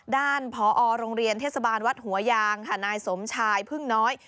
พอโรงเรียนเทศบาลวัดหัวยางค่ะนายสมชายพึ่งน้อย